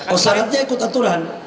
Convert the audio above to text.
oh syaratnya ikut aturan